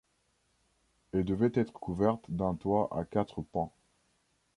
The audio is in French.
Elle devait être couverte d'un toit à quatre pans.